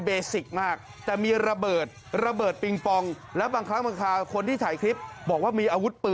เบสิกมากแต่มีระเบิดปิงปองและบางครั้งกำคาวคนที่ถ่ายคลิปบอกว่ามี